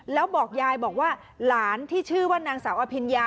แล้วบอกยายบอกว่าหลานที่ชื่อว่านางสาวอภิญญา